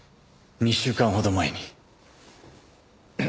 ２週間ほど前に。